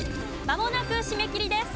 まもなく締め切りです。